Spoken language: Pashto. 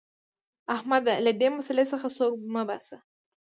احمده! له دې مسئلې څخه سوک مه باسه.